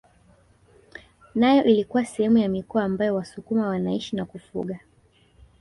Nayo ilikuwa sehemu ya mikoa ambayo wasukuma wanaishi na kufuga